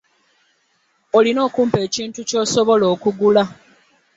Olina okumpa ekintu kyosobola okugula.